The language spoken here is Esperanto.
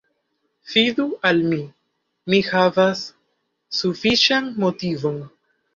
Fidu al mi; mi havas sufiĉan motivon.